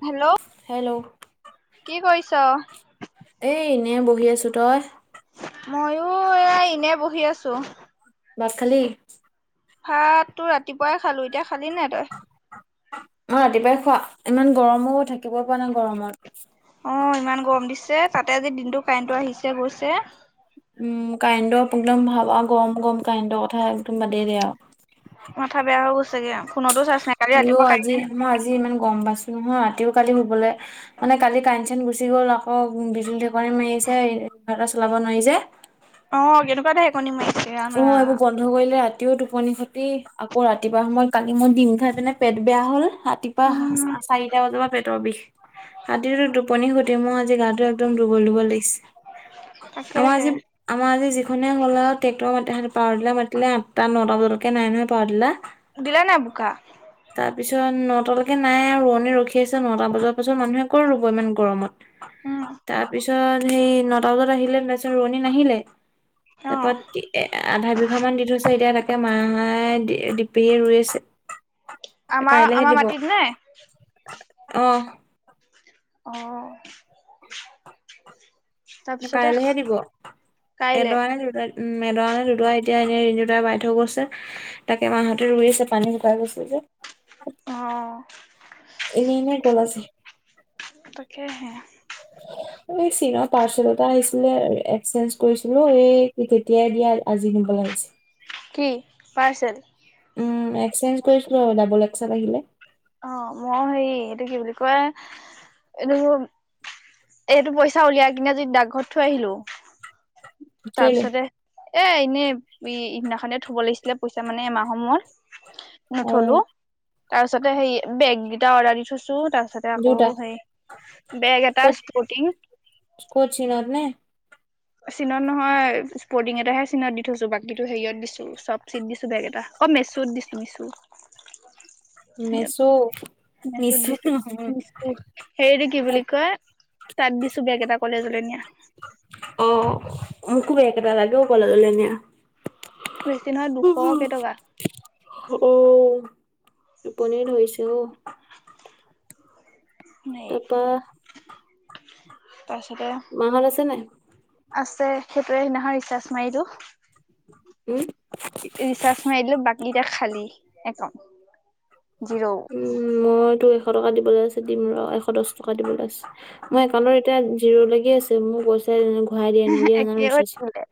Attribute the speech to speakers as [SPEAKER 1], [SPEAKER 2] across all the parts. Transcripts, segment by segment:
[SPEAKER 1] Hello
[SPEAKER 2] hello
[SPEAKER 1] কি কৰিছ
[SPEAKER 2] এনে বহি আছো তই
[SPEAKER 1] মইো এ এনে বহি আছো
[SPEAKER 2] বাখালি
[SPEAKER 1] ভাতো ৰাতিপুৱাই খালো এতিয়া খালি নাই তই?
[SPEAKER 2] মই ৰাতিপুৱাই খোৱা ইমান গৰমো থাকিব প নাই গৰমত
[SPEAKER 1] অ ইমান গৰম দিছে তাতে আজি দিনটো কাৰেণ্টটো আহিছে গৈছে
[SPEAKER 2] উম কাইণ্ড একদম ভাবা গম গম কাইণ্ড কথা একদম বাদে দ আৰু
[SPEAKER 1] মাথা বেয়া হৈ গৈছেগে ফোনতো চাৰ্জ নাই কালি
[SPEAKER 2] অও
[SPEAKER 1] ৰাতিপুৱা কাৰেণ্ট
[SPEAKER 2] আজি মই আজি ইমান গম পাইছো নহয় ৰাতিও কালি শুবলৈ মানে কালি কান চেন গুচি গ'ল আকৌ বি মাৰিছে কিবাৰ এটা চলাব নোৱাৰি যে
[SPEAKER 1] অ', কেনেকুৱাতেে কণ মই
[SPEAKER 2] অ', এইবোৰ বন্ধ কৰিলে ৰাতিও টোপনি খতি আকৌ ৰাতিপুৱা সময়ত কালি মোৰ দিন খাই পনে পেট বেয়া হ'ল ৰাতিপুৱা
[SPEAKER 1] উম
[SPEAKER 2] চাৰিটা বজাৰ পৰা পেটৰ বিষ হাতীটোতো টোপনিুধ তেমোৰ আজি গাটো একদম দুৰ্বল-দুৰ্বল লাগি আমাৰ আজি,
[SPEAKER 1] তাকেহে
[SPEAKER 2] আমাৰ আজি যিখনে হল আও। [unintelligible] পাৱাৰটিলা মাতিলে আঠটা নটা বজালকে নাই নহয় পাৱাৰটিলা।
[SPEAKER 1] দিলে নাই বুকা।
[SPEAKER 2] তাৰপিছত নটালৈকে নাই আৰু, ৰোৱনী ৰখি আছে নটা বজাৰ পাছত মানুহে ক'ত ৰুব ইমান গৰমত।
[SPEAKER 1] উম
[SPEAKER 2] তাৰপিছত হেই নটা বজাত আহিলে তাৰপিছত ৰোৱনী নাহিলে।
[SPEAKER 1] অ
[SPEAKER 2] তাপা [unintelligible] আধা বিঘামান দি থৈছে এতিয়া তা কে মাই ডি-ডিপিয়ে ৰুই আছে।
[SPEAKER 1] আমাৰ
[SPEAKER 2] কাইলেহে
[SPEAKER 1] আমাৰ
[SPEAKER 2] দিব,
[SPEAKER 1] মাটিত নে?
[SPEAKER 2] অ'।
[SPEAKER 1] অ [inaudible]
[SPEAKER 2] কাইলেহে দিব,
[SPEAKER 1] কাইলে
[SPEAKER 2] এদৰা নে দুদৰা উম, এদৰানে দুদৰা এতিয়া এনেই ৰিন্তু দায়ে বাই থৈ গৈছে, তাকে মাহঁতে ৰুই আছে পানী শুকাই গৈছে যে।
[SPEAKER 1] অ'।
[SPEAKER 2] এনে-এনেই গলাছাই।
[SPEAKER 1] তাকেহে [inaudible]
[SPEAKER 2] এই চীনৰ পাৰ্চেল এটা আহিছিলে এক্সচেঞ্জ কৰিছিলো, এই তেতিয়াই দিয়া আ-আজি নিবলে [inaudible] উম,
[SPEAKER 1] কি পাৰ্চেল?
[SPEAKER 2] এক্সেঞ্জ কৰিছিলো দাবল [unintelligible] আহিলে।
[SPEAKER 1] অ', মই হেৰি এইটো কি বুলি কয়, এইটো এইটো পইচা উলিয়াই কিনে আজি ডাকঘৰত থৈ আহিলো,
[SPEAKER 2] কেলে
[SPEAKER 1] তাৰপিছতে এ, এনেই ই সিদিনাখনে থব লাগিছিলে পইচা মানে এমাহৰ মুৰত।
[SPEAKER 2] অ
[SPEAKER 1] নথলো, তাৰপিছতে সেই বেগগিতাও অৰ্ডাৰ দি থৈছি ছো তাৰপিছতে আকৌ
[SPEAKER 2] দুটা
[SPEAKER 1] সেই, বেগ এটা
[SPEAKER 2] ক'ত
[SPEAKER 1] স্পৰ্টিং।
[SPEAKER 2] ক'ত চীনত নে
[SPEAKER 1] চিনত নহয় স্পৰ্টিং এটাহে চিনত দি থৈছো, বাকীটো হেৰিয়ত দিছো চবচিট দিছো বেগ এটা। অ, মেচুত দিছো মিচু।
[SPEAKER 2] মেচ'।
[SPEAKER 1] মেচ'ত
[SPEAKER 2] মিছো
[SPEAKER 1] দিছো
[SPEAKER 2] নহয়
[SPEAKER 1] মেচ'। হেৰি এইটো কি বুলি কয় তাত দিছো বেগ এটা কলেজলে নিয়া।
[SPEAKER 2] অ', মোকো বেগ এটা লাগে অ', কলেজলে নিয়া।
[SPEAKER 1] বেছি নহয় দুশ কেইটকা
[SPEAKER 2] [inaudible] অ', টোপনিয়ে ধৰিছে অ' তাৰপা
[SPEAKER 1] [inaudible] তাৰপিছতে,
[SPEAKER 2] মাহত আছে নাই?
[SPEAKER 1] আছে সেইটোৱে সিদনাখন ৰিচাৰ্জ মাৰিলো।
[SPEAKER 2] উম'
[SPEAKER 1] ৰিচাৰ্জ মাৰিদিলো বাকী এটিয়া খালী, একাউণ্ট। জিৰ'
[SPEAKER 2] উম মই তোৰ এশ টকা দিবলে আছে দিম ৰ, এশ দশ টকা দিবলে আছে। মোৰ একাউন্টত এতিয়া জিৰ' লা গি আছে, মোৰ পইচাই নাই।
[SPEAKER 1] একে হৈ থাকিলে,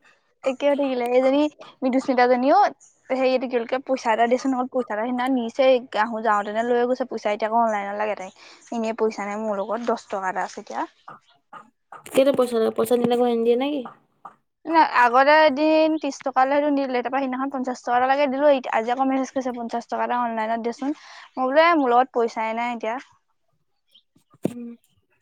[SPEAKER 1] একে হৈ থাকিলে সেইজনী মৃদুস্মিতা জনীও হেৰী এইটো কি বুলি কয়, পইচা এটা দেছোনত অকল পইচা এটা সেদিনাখন নিছেই আহো যাওঁতেনে লৈ লৈ গৈছে পইচা এতিয়া আকৌ অনলাইনত লাগে তাইক, এনেই পইচা নাই মোৰ লগত দশ টকা এটা আছে। এতিয়া
[SPEAKER 2] কেলে পইচা লাগে পইচা নিলে আকৌ নিদিয়ে নে কি?
[SPEAKER 1] নাই, আগতে এদিন ত্ৰিশ টক কালি সেইটো নিদিলে, তাৰপা সেদিনাখন পঞ্চাশ টকা এটা লাগে দিলো, ইট-আজি আকৌ মেছেজ কৰিছে পঞ্চাশ টকা এটা অনলাইনত দেচোন। মই বোলো এ, মোৰ লগত পইচাই নাই এতিয়া।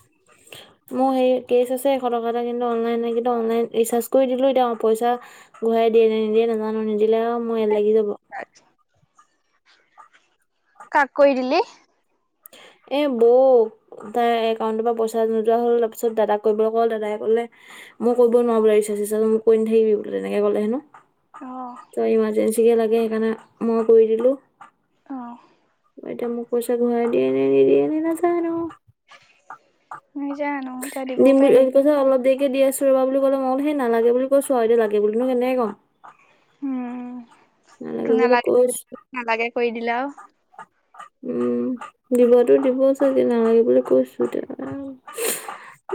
[SPEAKER 2] [inaudible] মোৰ হেৰি কেচ আছে এশ টকা এটা, কিন্তু অনলাইন নাই, কিন্তু অনলাইন ৰিচাৰ্জ কৰি দিলোঁ এতিয়া পইচা ঘূৰাই দিয়েনে নিদিয়ে নাজানো, নিদিলে আও মোৰ এল লাগি যাব।
[SPEAKER 1] কাক কৰি দিলি?
[SPEAKER 2] এ বৌক, তাই একাউণ্টৰ পৰা পইচা নোযোৱা হ'ল তাৰপিছত দাদাক কৰিবলৈ কল দাদাই কলে মই কৰিব নোৱাৰো বোলে ৰিচাৰ্জ-চিচাজ মোক কৈ নাাকিবি বোলে, তেনেকে কলে হেনো।
[SPEAKER 1] অ
[SPEAKER 2] ত ইমাৰজেঞ্চিকে লাগে সেইকাৰণে, মই কৰি দিলো
[SPEAKER 1] অ
[SPEAKER 2] এতিয়া মোক পইচা ঘূৰাই দিয়ে নে নিদিয়ে নে নাজানো
[SPEAKER 1] নাজানো তাই দিবও
[SPEAKER 2] দিম বুলি
[SPEAKER 1] পাৰে
[SPEAKER 2] কৈছে
[SPEAKER 1] নিদিবও পাৰে।
[SPEAKER 2] অলপ দেৰিকে দি বুলি আছো কলে মই বোলো হেই নালাগে বুলি কৈছো আৰু, এতিয়া লাগে বুলিনো কেনেকে কম
[SPEAKER 1] উম সেইটো
[SPEAKER 2] বুলি
[SPEAKER 1] নালাগে,
[SPEAKER 2] কৈছো
[SPEAKER 1] নালাগে কৰি দিলে আৰু
[SPEAKER 2] উম' দিবটো দিব চাগে, নালাগে বুলি কৈছো এতিয়া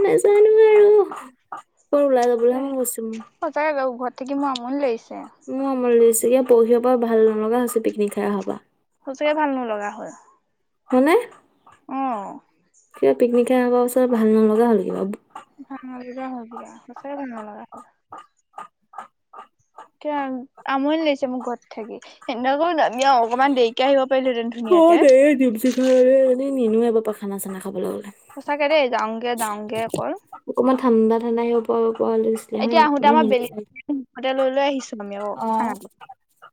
[SPEAKER 2] নাজানো আৰু, [unintelligible] ওলাই যাবলৈহে মন গৈছো মোৰ
[SPEAKER 1] সঁচাকে ঘৰত থাকি মোৰ আমনি লাগিছে।
[SPEAKER 2] মোৰো আমনি লাগিছে, পৰহিঅ পা ভাল নলগা হৈছে পিকনিক খাই অহা পৰা
[SPEAKER 1] সঁচাকে ভাল নলগা হ'ল।
[SPEAKER 2] মানে
[SPEAKER 1] অ
[SPEAKER 2] কিবা পিকনিক খাই অহা পৰা পিছত ভাল নলগা হ'ল কিবা
[SPEAKER 1] [unintelligible] সচাকে ভাল নলগা হ'ল। আমনি লাগিছে মোৰ ঘৰত থাকি, সেইদিনাখন আমি আৰু অকনমান দেৰিকে আহিব পাৰিলোহেতেন।
[SPEAKER 2] অ' দেই দিপশিখা জনী এইজনী, নিনো এবাৰ পৰা খানা চানা খাবলৈ গলে
[SPEAKER 1] সঁচাকে দেই যাওঁগে যাওঁগে অকল
[SPEAKER 2] অকণমান ঠাণ্ডা ঠাণ্ডা
[SPEAKER 1] এতিয়া আহোতে আমাৰ বেলি মুখতে
[SPEAKER 2] [unintelligible] অ',
[SPEAKER 1] [unintelligible]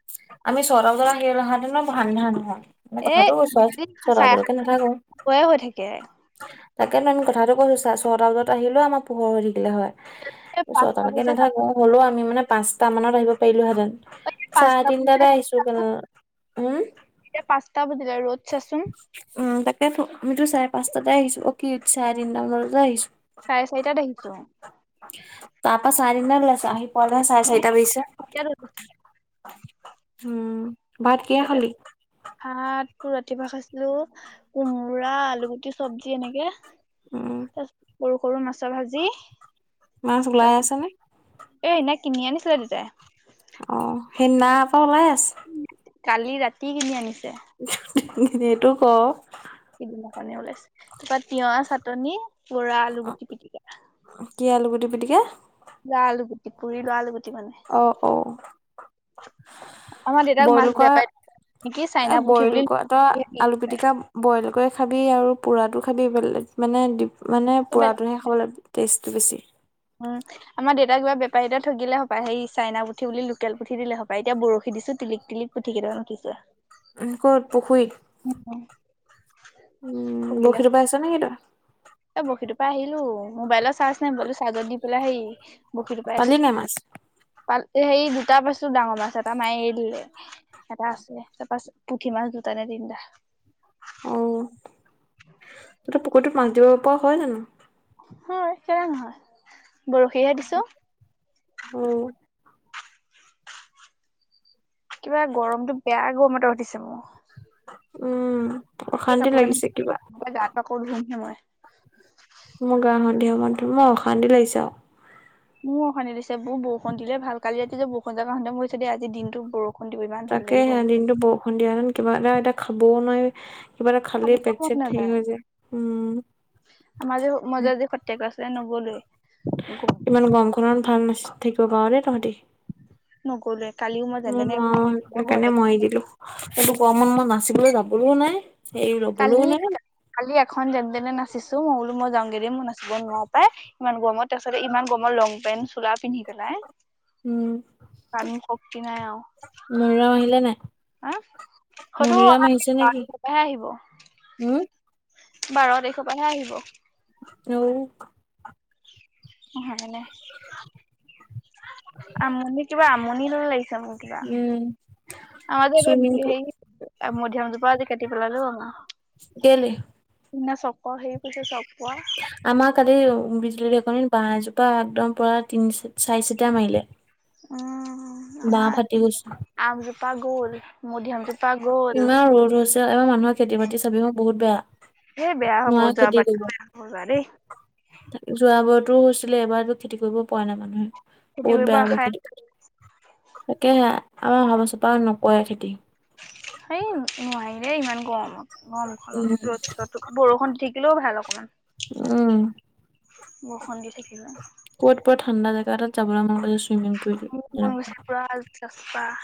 [SPEAKER 2] আমি চটা বজাত [unintelligible] আন্ধাৰ নহয়। [unintelligible]
[SPEAKER 1] এ
[SPEAKER 2] কথাটো কৈছো আৰু
[SPEAKER 1] চাৰে
[SPEAKER 2] চটা
[SPEAKER 1] সাতশয়ে
[SPEAKER 2] বজালৈকে নাথাকোঁ।
[SPEAKER 1] হৈ থাকে
[SPEAKER 2] তাকে ত আমি কথাটো কৈছো চাৰে ছটা বজাত আহিলেও আমাৰ পোহৰ হৈ
[SPEAKER 1] এই পাঁচটা
[SPEAKER 2] [unintelligible]
[SPEAKER 1] বজা
[SPEAKER 2] নাথাকো হ'লেও আমি মানে পাঁচটা মানত আহিব পাৰিলো হেতেন চাৰে
[SPEAKER 1] পাঁচটা
[SPEAKER 2] তিনটাতে
[SPEAKER 1] বজাত
[SPEAKER 2] আহিছো কেলা উম',
[SPEAKER 1] এতিয়া পাঁচটা বজিলে ৰ'দ চাচোন
[SPEAKER 2] উম', তাকেটো আমিতো চাৰে পাঁচটাতে আহিছো, অ, কি চাৰে তিনটামানতে আহিছো
[SPEAKER 1] চাৰে চাৰিটাত আহিছো।
[SPEAKER 2] তাৰ [unintelligible] আহি পোৱালেহে চাৰে চাৰিটা বাজিছে।
[SPEAKER 1] তকেটো
[SPEAKER 2] উম' ভাত কিহে খালি?
[SPEAKER 1] ভাত, ৰাতিপুৱা খাইছিলো, কোমোৰা আলুগুটি চব্জি এনেকে
[SPEAKER 2] উম।
[SPEAKER 1] তাৰপিছত সৰু সৰু মাছৰ ভাজি।
[SPEAKER 2] মাছ ওলাই
[SPEAKER 1] তাৰপিছত
[SPEAKER 2] আছেনে?
[SPEAKER 1] এ সেইদিনা কিনি আনিছিলে দেতাই।
[SPEAKER 2] অ', সেইদিনাপা ওলাই আছে।
[SPEAKER 1] কালি ৰাতি কিনি আনিছে।
[SPEAKER 2] [inaudible] সেইটো ক।
[SPEAKER 1] সিদিনাখনে ওলাইছে। তাপা তিঁয়হ চাটনি, পুৰা আলু গুটি পিটিকা।
[SPEAKER 2] কি আলু গুটি পিটিকা
[SPEAKER 1] পুৰা আলুগুটি পুৰি লোৱা আলুগুটি। মানে
[SPEAKER 2] অ', অ'।
[SPEAKER 1] আমাৰ দেতাক
[SPEAKER 2] বইল
[SPEAKER 1] মাছ
[SPEAKER 2] কৰা
[SPEAKER 1] বেপাই
[SPEAKER 2] এ, বইল কৰা ত আলু পিটিকা বইল কৰি খাবি আৰু পুৰাটো খাবি বেলেগ মানে দি মানে পোৰাটোহে খাবলে টেষ্টটো বেছি।
[SPEAKER 1] উম, আমাৰ দেতাক কিবা বেপাৰী এটাই ঠগিলে হপায়, হেই চাইনা পুঠি বুলি লোকেল পুঠি দিলে হপায় এতিয়া বৰশীত দিছো তিলিক তিলিক পুঠি কেইটামান উঠিছে।
[SPEAKER 2] উম, ক'ত পুখুৰীত? উম, বৰশী টোপাই আছ নেকি তই?
[SPEAKER 1] এই বৰশী টোপাই আহিলো মোবাইলৰ চাৰ্জ নাই, মোবাইলটো চাৰ্জত দি পেলাই হেই বৰশী টোপাই
[SPEAKER 2] পালি
[SPEAKER 1] আছোঁ।
[SPEAKER 2] নাই মাছ?
[SPEAKER 1] পাল এ হেই দুটা পাইছোঁ ডাঙৰ মাছ এটা মায়ে এৰি দিলে। এটা আছে, তাপা পুঠি মাছ দুটা নে তিনটা।
[SPEAKER 2] উম, ততে পুখুৰীটোত মাছ দিব পৰা হয় জানোঁ?
[SPEAKER 1] হয় কেলে নহয়, বৰশীহে দিছোঁ।
[SPEAKER 2] অ
[SPEAKER 1] কিবা গৰমতটো বেয়া গৰমত এটা উঠিছে মোৰ।
[SPEAKER 2] উম।
[SPEAKER 1] এই
[SPEAKER 2] অশান্তি
[SPEAKER 1] কাপোৰ কানি,
[SPEAKER 2] লাগিছে কিবা
[SPEAKER 1] গাটো আকৌ ধুমহে মই।
[SPEAKER 2] তোমা অশান্তি লাগিছে আৰু।
[SPEAKER 1] মোৰো অশান্তি লাগিছে, বোৰ বৰষুণ দিলে ভাল কালি ৰাতি যে বৰষুণ জাক আহোঁতে মই ভাবিছোঁ দেই আজি দিনটো বৰষু
[SPEAKER 2] তাকেহে দিনটো বৰষুণ দিয়া হেঁতেন কিবা এটা-এটা খাবও নোঁৱাৰি। কিবা এটা খালেই পেট
[SPEAKER 1] মন
[SPEAKER 2] চেট
[SPEAKER 1] নাযায়
[SPEAKER 2] হেৰি যায়, উম।
[SPEAKER 1] তাই ন'গলেই।
[SPEAKER 2] ইমান গৰমখনত ভাল নাচি থাকিব পাৰ দেই তহঁতি।
[SPEAKER 1] নগলোৱে কালিও মই যেন
[SPEAKER 2] ম‌ই
[SPEAKER 1] তেনে
[SPEAKER 2] নোৱাৰোঁ, সেইকাৰণে মই এৰি দিলোঁ। [inaudible] এইটো গৰমত মই নাচিবলৈ যাবলৈও নাই। হেৰি লবলৈও
[SPEAKER 1] কালি,
[SPEAKER 2] নাই
[SPEAKER 1] কালি এখন যেন তেনে নাচিছোঁ মই বোলো মই যাওঁগে মোৰ নাচ নাছিব নোৱাৰোঁ পাই, ইমান গৰমত তাৰপিছতে ইমান গৰমত লং পেন্ট চোলা পিন্ধি পেলাই
[SPEAKER 2] উম,
[SPEAKER 1] গাত মোৰ শক্তি
[SPEAKER 2] মৰিৰাও আহিলে নাই?
[SPEAKER 1] আ? সৈটো
[SPEAKER 2] মনিৰাম
[SPEAKER 1] অহা [unintelligible]
[SPEAKER 2] আহিছে নেকি
[SPEAKER 1] পিছতহে আহিব।
[SPEAKER 2] উম
[SPEAKER 1] বাৰ তাৰিখৰপাহে আহিব।
[SPEAKER 2] [unintelligible]
[SPEAKER 1] নহয় মানে, আমণি কিবা আ আমনি দৰে লাগিছে মোৰ কিবা।
[SPEAKER 2] উম
[SPEAKER 1] আমাৰ যে
[SPEAKER 2] চুইমিং পুল
[SPEAKER 1] কে-হেৰি মধিআমজোপা আজি কাটি পেলালে অ' আমা।
[SPEAKER 2] কেলে?
[SPEAKER 1] সিদিনা চক্ৰৰ হেৰী পৰিছে চক
[SPEAKER 2] আমাৰ কালি বিজুলী [unintelligible] [unintelligible] বাঁহ এজোপা একদম পৰা তিনি চা-চাৰি চিটা মাৰিলে।
[SPEAKER 1] উম,
[SPEAKER 2] বাঁহ ফাটি
[SPEAKER 1] আমাৰ
[SPEAKER 2] গৈছে।
[SPEAKER 1] আমজোপা গ'ল। মধিয়ামজোপা গ'ল
[SPEAKER 2] ইমান ৰ'দ হৈছে, এইবাৰ মানুহৰ খেতি বাতি চাবিচোন বহুত বেয়া।
[SPEAKER 1] সেই বেয়া হ'ব
[SPEAKER 2] নোৱাৰা খেতি
[SPEAKER 1] যোৱাবাৰতকৈ
[SPEAKER 2] কৰিব,
[SPEAKER 1] বেয়া হ'ব যোৱা দেই
[SPEAKER 2] যোৱা বাৰত তৈ হৈছিলে এবাৰতো খেতি কৰিব পৰা নাই মানুহে
[SPEAKER 1] খেতি
[SPEAKER 2] বহুত
[SPEAKER 1] কৰিব
[SPEAKER 2] বেয়া হ'ব
[SPEAKER 1] আশাই
[SPEAKER 2] খেতি তাকেহে, আমাৰ অহা বছৰ পা নকৰে খেতি।
[SPEAKER 1] এই নোৱাৰি দে ইমান গৰমত।
[SPEAKER 2] উম
[SPEAKER 1] গৰমখনত ৰদ চদো' বৰষুণ থাকিলেও ভাল অকমান।
[SPEAKER 2] উম।
[SPEAKER 1] বৰষুণ দি থাকিলে
[SPEAKER 2] ক'ত পুৰা ঠাণ্ডা জেগা এটাত যাবলৈ মন গৈছে ছুইমিং পুল
[SPEAKER 1] বাহ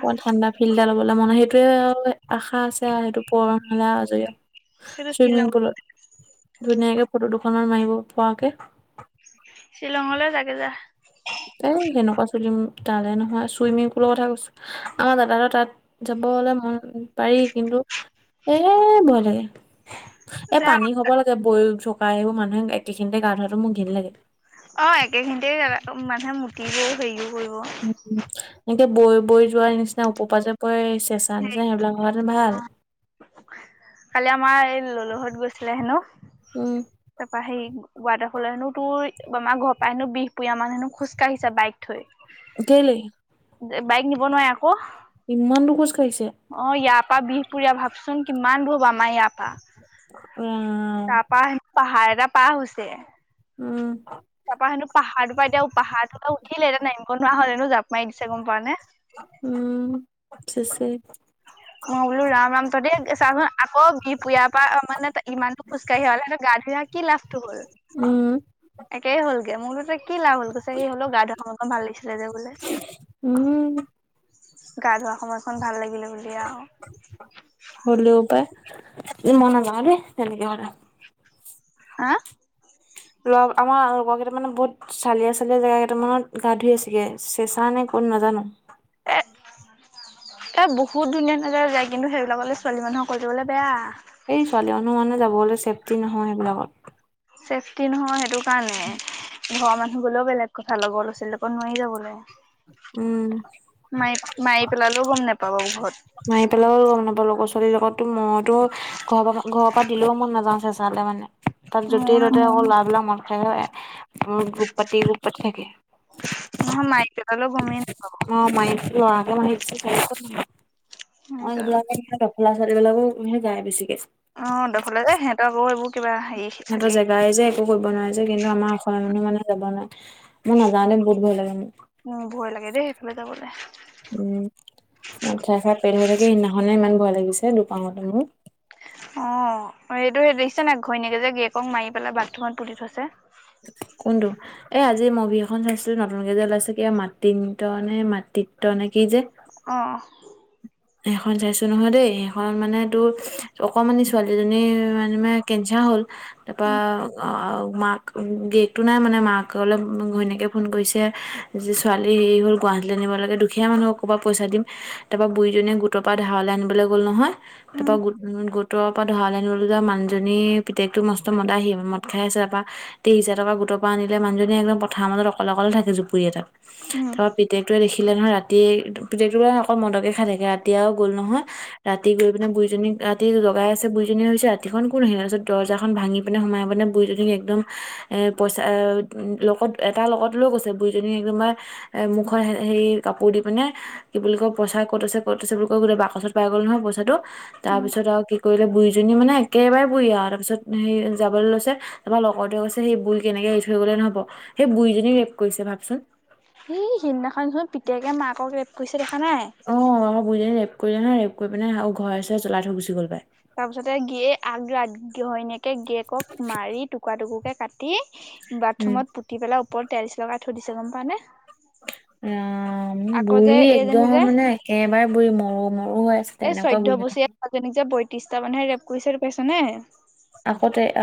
[SPEAKER 2] অকনমান ঠাণ্ডা ফিলটা ল'বলে মন, সেইটোৱে আৰু আশা আছে আৰু সেইটো পূৰণ হ'লে আও আজৰি
[SPEAKER 1] সেইটো
[SPEAKER 2] চুইমিং
[SPEAKER 1] শ্বিলং
[SPEAKER 2] পুলত, ধুনীয়াকে ফটো দুখনমান মাৰিব পৰাকে
[SPEAKER 1] শ্বিলঙলৈ যাগে যা।
[SPEAKER 2] এ সেনেকুৱা চলিম তালে নহয় চুইমিং পুলৰ কথা কৈছো, আমাৰ দাদা তাত যাব অলপ ম পাৰি কিন্তু এ ভয় লাগে। এ পানী হ'ব
[SPEAKER 1] যা
[SPEAKER 2] লাগে বৈ থকা, এইবোৰ মানুহে একেখিনিতে গা ধোৱাটো মোৰ ঘৃণ লাগে।
[SPEAKER 1] অ', একে খিনিতে মানুহে মূতিব‌ও হেও
[SPEAKER 2] এনেকে বৈ বৈ যোৱাৰ নিচিনা ওপৰৰ পৰা যে পৰে চেঁচা নিচিনা সেইবিলাক হোৱা হেতেঁন ভাল।
[SPEAKER 1] কালি আমাৰ এই ললোহঁত গৈছিলে হেনো
[SPEAKER 2] উম
[SPEAKER 1] তাৰপৰা সে ৱাটাৰফলৰ হেনো তোৰ আমাৰ ঘৰ পৰা হেনো বিহপুৰীয়া মান হেনো খোজকাঢ়িছে বাইক থৈ
[SPEAKER 2] কেলেই?
[SPEAKER 1] বাইক নিব নোৱাৰে আকৌ।
[SPEAKER 2] ইমান দূৰ খোজ কাঢ়িছে
[SPEAKER 1] অ', ইয়াৰ পৰা বিহপুৰীয়া ভাবচোন কিমান দূৰ হ'ব আমাৰ ইয়াৰ পৰা
[SPEAKER 2] ৰাম
[SPEAKER 1] তাৰপৰা পাহাৰ এটা পাৰ হৈছে
[SPEAKER 2] উম।
[SPEAKER 1] তাৰ পৰা সেনো পাহাৰ তোপা এতিয়াও পাহাৰ তোপা উঠিলে, এতিয়া নামিব নোৱাৰা হ'ল হেনোঁ জাপ মাৰি দিছে গম পোৱা নে
[SPEAKER 2] উম, চেছেই।
[SPEAKER 1] মই বোলো ৰাম ৰাম তহঁতে চাচোন আকৌ বিহপুৰীয়া য়াপা মানে ইমান দূৰ খোজকাঢ়ি আহিলে সিহঁতৰ গা ধুই অহা কি লাভটো হ'ল।
[SPEAKER 2] উম।
[SPEAKER 1] একেই হ'লগে, মুঠতে কি লাভ হ'ল কৈছে সি হ'লেও গা ধোৱা সময়কন ভাল লাগিছিলে যে বোলে।
[SPEAKER 2] উম
[SPEAKER 1] গা ধোৱা সময়কন ভাল লাগিলে বুলি আৰু
[SPEAKER 2] হ'লেও পায়। এ মই নাযাওঁ দেই তেনেকে হ'লে।
[SPEAKER 1] হা
[SPEAKER 2] লগ আমাৰ লগৰ কেইটামানে বহুত চালিয়া চালিয়া জেগা কেইটামানত গা ধুই আছেগে, চেচাঁ নে খুব ক'ত নাজানোঁ?
[SPEAKER 1] এ এ বহুত ধুনীয়া ধুনীয়া জেগালৈ যায় কিন্তু সেইবিলাকলৈ ছোৱালী মানুহ অকলে যাবলৈ বেয়া।
[SPEAKER 2] এই ছোৱালী মানুহ মানে যাবলৈ চেফটি নহয় সেইবিলাকত।
[SPEAKER 1] চেফটি নহয় সেইটোৰ কাৰণেহে ঘৰৰ মানুহে গ'লেও বেলেগ কথা লগৰ ল'ৰা ছোৱালী লগত নোৱাৰি যাব'লে।
[SPEAKER 2] উম
[SPEAKER 1] মাৰি মাৰি পেলালেও গম নেপাব ঘৰত।
[SPEAKER 2] মাৰি পেলালেও গম নাপালোঁ ল'ৰা ছোৱালীৰ লগত, টো মইতো ঘৰৰ ঘৰৰ পৰা দিলেও টো মই নাযাওঁ চেচাঁতে মানে। তাত য'তেই
[SPEAKER 1] মোৰ
[SPEAKER 2] ততে আকৌ ল'ৰাবিলাক মদ গ্ৰু-গ্ৰুপ পাতি গ্ৰুপ পাতি থাকে।
[SPEAKER 1] নহয় মাৰিপেলালেও গমেই নাপাব
[SPEAKER 2] [unintelligible] অ', এইবিলাক ডফলা ছোৱালীবিলাক যায় বেছিকে
[SPEAKER 1] অ', ডফলা এ সিহঁতৰ আকৌ এইবোৰ কিবা হেৰি
[SPEAKER 2] সিহঁতৰ
[SPEAKER 1] চাকে
[SPEAKER 2] জেগাই যে একো কৰিব নোৱাৰে যে, কিন্তু আমাৰ অসমীয়া মানুহ মানে যাব নোৱাৰে। মই নাযাওঁদে বহুত ভয় লাগে মোৰ।
[SPEAKER 1] ভয় লাগে দেই সেইফালে যাবলৈ
[SPEAKER 2] উম। মদ খাই খাই পেল হৈ থাকে, সেইদিনাখনে ইমান ভয় লাগিছে দুপাঙতে মোৰ।
[SPEAKER 1] অ', এইটো হে দেখিছানে ঘৈণীয়েকে যে গিৰীকক মাৰি পেলাই বাথৰুমত পুুতি থৈছে।
[SPEAKER 2] কোনটো? এ আজি মুভি এখন চাইছিলো নতুনকে যে ওলাইছে কিবা মাতিম ত নে মাত তিত্ত্ব নে কি যে।
[SPEAKER 1] অ'।
[SPEAKER 2] সেইখন চাইছো নহয় দেই সেইখন মানে তোৰ অকমানি ছোৱালীজনী মানে কেঞ্চাৰ হ'ল তাৰপৰা
[SPEAKER 1] উম
[SPEAKER 2] মাক গিৰিয়েকটো নাই মানে মাকলে ঘৈণীয়েকে ফোন কৰিছে যে ছোৱালী হেৰি হ'ল গুৱাহাটীলৈ নিব লাগে দুখীয়া মানুহ ক'ৰ পৰা পইচা দিম, তাৰপৰা বুঢ়িজনীয়ে গোটৰ পৰা ধাৰলৈ আনিবলৈ গ'ল নহয় তাৰ
[SPEAKER 1] উম
[SPEAKER 2] পৰা গোট-গোট গোটৰ পৰা ধাৰলৈ আনিবলৈ যোৱা মানুহজনী পিতেকটো মষ্ট মদাহি মদ খাই আছে তাৰপৰা তেইছ হাজাৰ টকা গোট গোটৰ পৰা আনিলে মানুহজনী একদম পথাৰৰ মাজত অকলে অকলে থাকে জুপুৰি এটাত
[SPEAKER 1] উম
[SPEAKER 2] তাৰপৰা পিতেকটোৱে দেখিলে নহয় ৰাতি পিতেকটো অকল মদকে খাই থাকে ৰাতি আৰু গ'ল নহয় ৰাতি গৈ পিনে বুঢ়িজনী ৰাতি জগাই আছে বুঢ়িজনীয়ে ভাবিছে ৰাতিখন কোন আহ তাৰ পিছত দৰ্জাখন ভাঙি পিনে সোমাই পিনে বুঢ়ি একদম এ পইচা লগত এটা লগত লৈ গৈছে, বুঢ়িজনী একদম মানে মুখত হেৰি কাপোৰ দি পিনে কি বুলি কয় পইচা ক'ত আছে ক'ত আছে বুলি কৈ গোটেই বাকচত পাই গ'ল নহয় পইাটো,
[SPEAKER 1] উম
[SPEAKER 2] তাৰপিছত আৰু কৰিলে বুঢ়ীজনী মানে একেবাৰে বুঢ়ী আৰু তাৰপিছত সেই যাবলৈ লৈছে তাৰৰা লগৰটোৱে কৈছে সেই বুঢ়ীক এনেক এৰি থৈ গ'লে নহ'ব সেই বুঢ়ীজনীক ৰেপ কৰিছে ভাবচোন।
[SPEAKER 1] সেই সিদিনাখন হৈ পিতেকে মাকক ৰেপ কৰিছে। দেখা নাই
[SPEAKER 2] অ', আ বুঢ়ীজনীক ৰেপ কৰিলে নহয়, ৰেপ কৰি পিনে আ আৰু ঘৰে চৰে জ্বলাই থৈ গুচি গ'ল পাই।
[SPEAKER 1] তাৰ পিছতে গিয়ে আগ্ৰাত ঘৈনীয়েকে গিৰিয়েকক মাৰি টুকুৰা টুকু কে কাটি
[SPEAKER 2] উম
[SPEAKER 1] বাথৰুমত পুতি পেলাই ওপৰত তাইলছ লগাই থৈ দিছে গম পাৱ নে।
[SPEAKER 2] ৰাম
[SPEAKER 1] [inaudible]
[SPEAKER 2] বুঢ়ী
[SPEAKER 1] এইজনী
[SPEAKER 2] একদম
[SPEAKER 1] যে
[SPEAKER 2] মানে একেবাৰে বুঢ়ী মৰো মৰো হৈ আছে তেনেকুৱা বুঢ়ী
[SPEAKER 1] ত্ৰিছটা মানুহে ৰেপ কৰিছে সেটো পাইছ নে।
[SPEAKER 2] আগতে আগতে